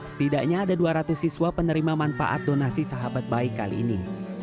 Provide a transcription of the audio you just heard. setidaknya ada dua ratus siswa penerima manfaat donasi sahabat baik kali ini